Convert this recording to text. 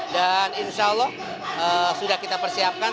dan insya allah sudah kita persiapkan